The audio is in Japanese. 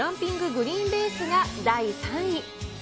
グリーンベースが第３位。